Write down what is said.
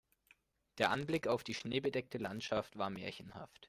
Der Anblick auf die schneebedeckte Landschaft war märchenhaft.